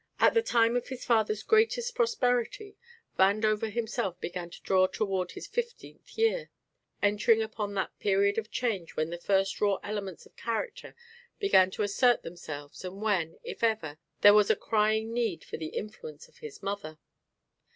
At the time of his father's greatest prosperity Vandover himself began to draw toward his fifteenth year, entering upon that period of change when the first raw elements of character began to assert themselves and when, if ever, there was a crying need for the influence of his mother.